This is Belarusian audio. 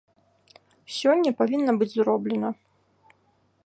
Сёння павінна быць зроблена.